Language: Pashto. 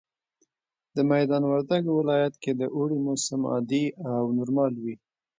د ميدان وردګ ولايت کي د اوړي موسم عادي او نورمال وي